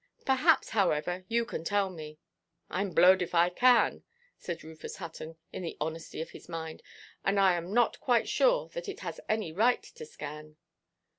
Perhaps, however, you can tell me?" "Iʼm blowed if I can," said Rufus Hutton, in the honesty of his mind; "and I am not quite sure that it has any right to scan."